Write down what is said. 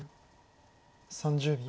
３０秒。